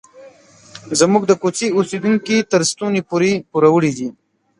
زموږ د کوڅې اوسیدونکي تر ستوني پورې پوروړي دي.